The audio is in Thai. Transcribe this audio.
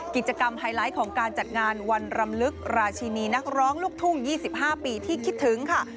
ไฮไลท์ของการจัดงานวันรำลึกราชินีนักร้องลูกทุ่ง๒๕ปีที่คิดถึงค่ะ